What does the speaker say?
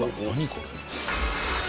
これ。